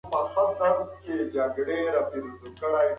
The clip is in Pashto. هغوی په ګډه یو علمي کنفرانس جوړ کړ.